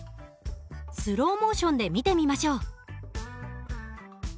スローモーションで見てみましょう。